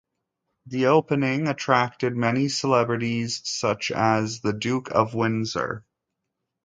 The opening attracted many celebrities, such as the Duke of Windsor.